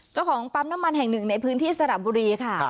เจ้าของปั๊มน้ำมันแห่งหนึ่งในพื้นที่สระบุรีค่ะ